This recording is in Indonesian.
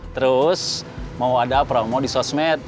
terus mau ada promo di sosmed